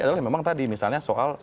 adalah memang tadi misalnya soal